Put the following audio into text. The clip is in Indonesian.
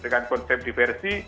dengan konsep diversi